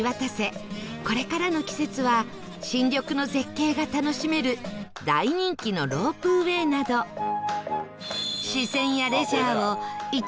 これからの季節は新緑の絶景が楽しめる大人気のロープウェイなど自然やレジャーを一日中楽しめる